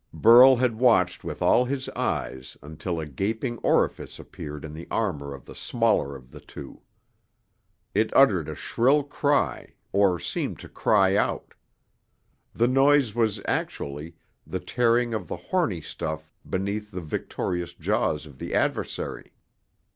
Burl had watched with all his eyes until a gaping orifice appeared in the armor of the smaller of the two. It uttered a shrill cry, or seemed to cry out. The noise was, actually, the tearing of the horny stuff beneath the victorious jaws of the adversary.